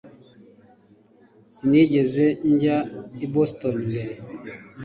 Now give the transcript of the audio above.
Sinigeze njya i Boston mbere